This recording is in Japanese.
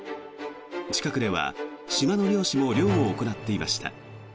近くでは島の漁師も漁を行っていました。